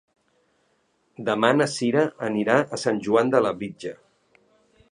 Demà na Cira anirà a Sant Joan de Labritja.